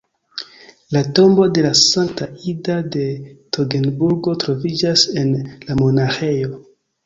La tombo de la Sankta Ida de Togenburgo troviĝas en la monaĥejo.